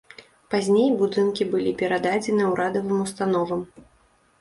Пазней будынкі былі перададзены урадавым установам.